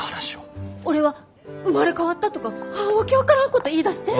俺は生まれ変わったとか訳分からんこと言いだして。